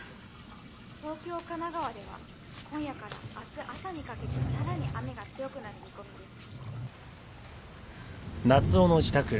東京神奈川では今夜から明日朝にかけてさらに雨が強くなる見込みです。